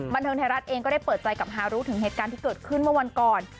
บันเทิงไทยรัฐเองก็ได้เปิดใจกับฮารุถึงเหตุการณ์ที่เกิดขึ้นเมื่อวันก่อน